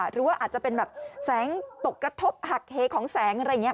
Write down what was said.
หรือว่าอาจจะเป็นแบบแสงตกกระทบหักเหของแสงอะไรอย่างนี้